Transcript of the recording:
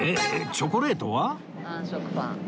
チョコレートは？